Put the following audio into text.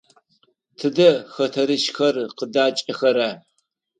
Тыдэ хэтэрыкӏхэр къыдакӏэхэра?